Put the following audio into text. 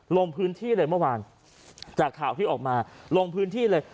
ลงพื้นที่เลยเมื่อวานจากข่าวที่ออกมาลงพื้นที่เลย